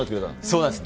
そうなんです。